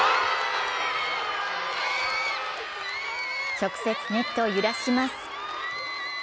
直接ネットを揺らします。